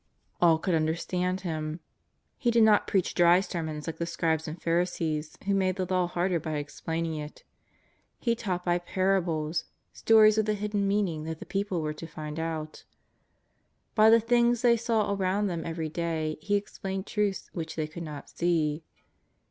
All could imderstand Him. He did not preach dry sermons like the Scribes and Pharisees, who made the I.aw harder by explaining it. He taught by parables, 218 JESUS OF NAZARETH. 219 stories with a hidden meaning that the people were to find out. By the things they saw around them every day He explained truths which they could not see.